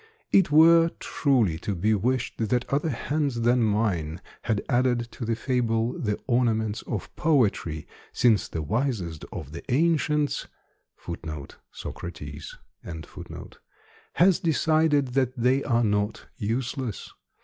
It were truly to be wished that other hands than mine had added to the fable the ornaments of poetry, since the wisest of the ancients has decided that they are not useless.